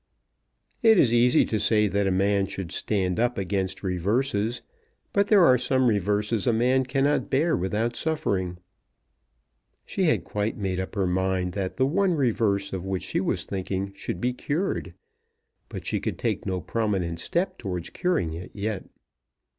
"It is easy to say that a man should stand up against reverses, but there are some reverses a man cannot bear without suffering." She had quite made up her mind that the one reverse of which she was thinking should be cured; but she could take no prominent step towards curing it yet.